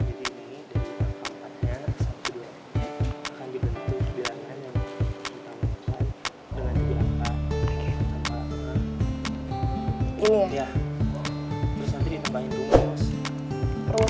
akan dibentuk di angka yang kita butuhkan